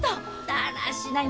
だらしない！